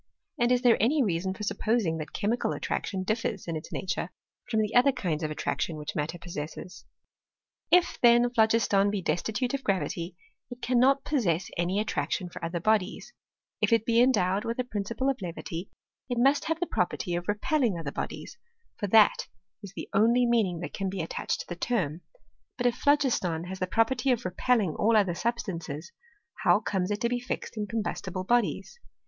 And is there any reason for supposing that chemical attraction differs m its nature from the other kinds of attraction which matter possesses? If, then, phlogiston be destitute of gravity, it cannot pbssesii Any attraction fot other bodies ; if it be endowed with a principle of levity, it must have the property ot repelling other bodies, for that is the only meaning that can be attached tb the Ifeim But if phlo^^tdii has the property of repelling all other substances, how comes it to be fixed in combustible bodies